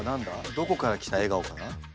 どこから来た笑顔かな？